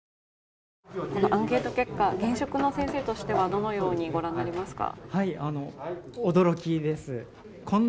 このアンケート結果、現職の先生としてはどのように御覧になりますか？